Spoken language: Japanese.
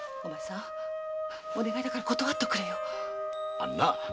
あのな！